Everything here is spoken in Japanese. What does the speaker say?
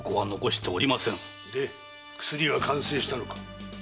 で薬は完成したのか？